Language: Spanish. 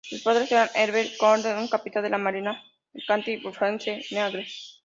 Sus padres eran Herbert Robertson, un capitán de la marina mercante, y Florence Neagle.